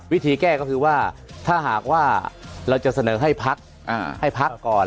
วิธีแก้ก็คือว่าถ้าหากว่าเราจะเสนอให้พักให้พักก่อน